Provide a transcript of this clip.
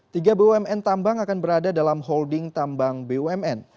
tiga bumn tambang akan berada dalam holding tambang bumn